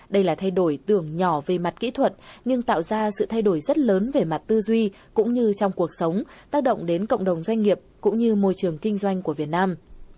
đây là thay đổi tưởng nhỏ về mặt kỹ thuật nhưng tạo ra sự thay đổi rất lớn về mặt tư duy cũng như trong cuộc sống tác động đến cộng đồng doanh nghiệp cũng như môi trường kinh doanh của việt nam